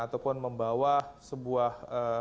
ataupun membawa sebuah